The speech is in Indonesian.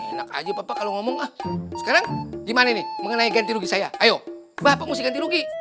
enak aja papa kalau ngomong ah sekarang gimana nih mengenai ganti rugi saya ayo bapak mesti ganti rugi